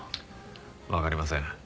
わかりません。